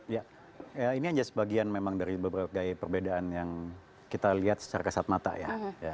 ya ini aja sebagian memang dari berbagai perbedaan yang kita lihat secara kesat mata ya